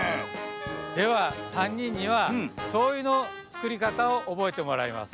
ではさんにんにはしょうゆのつくりかたをおぼえてもらいます。